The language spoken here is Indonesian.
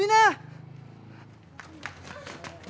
tolong ada yang mau melahirkan